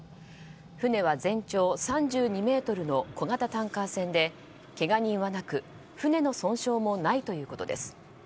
船は全長３２ｍの小型タンカー船でけが人はなく船の損傷もないということです。